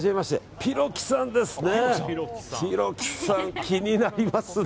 ぴろきさん、気になりますね。